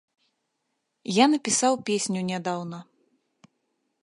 Я напісаў песню нядаўна.